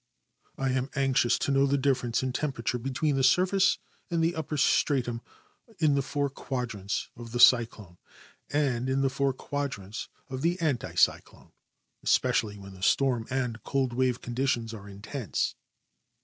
I am anxious to know the difference in temperature l)etween the surface and the upper stratum in the four quadrants of the cyclone and in the four quadrants of the anti cyclone, especially when the storm and cold wave conditions are intense.